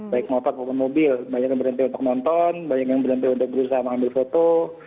baik motor maupun mobil banyak yang berhenti untuk nonton banyak yang berhenti untuk berusaha mengambil foto